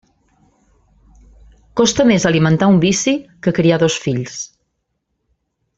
Costa més alimentar un vici que criar dos fills.